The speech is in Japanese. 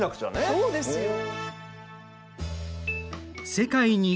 そうですよ。